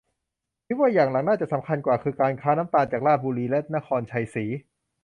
คิดว่าอย่างหลังน่าจะสำคัญกว่า คือการค้าน้ำตาลจากราชบุรีและนครไชยศรี